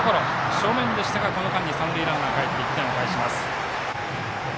正面でしたがこの間に三塁ランナーがかえって１点を返します。